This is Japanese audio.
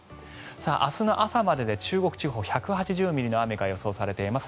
明日の朝までで中国地方１８０ミリの雨が予想されています。